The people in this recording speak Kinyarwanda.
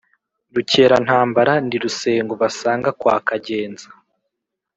Rukerantambara ndi Rusengo basanga kwa Kagenza.